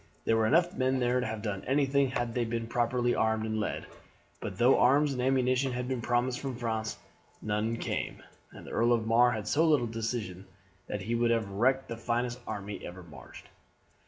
There were enough men there to have done anything had they been properly armed and led; but though arms and ammunition had been promised from France, none came, and the Earl of Mar had so little decision that he would have wrecked the finest army that ever marched.